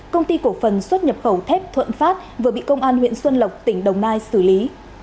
công ty cổ phần xuất nhập khẩu thép thuận phát vừa bị công an huyện xuân lộc tỉnh đồng nai xử lý